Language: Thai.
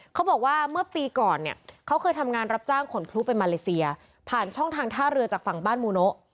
เขาบอกว่าเมื่อปีก่อนเนี่ยเขาเคยทำงานรับจ้างขนพลุไปมาเลเซียผ่านช่องทางท่าเรือจากฝั่งบ้านมูโนะ